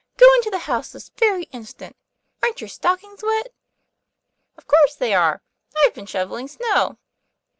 Go into the house this very instant. Aren't your stockings wet?" "Of course they are; I've been shovelling snow.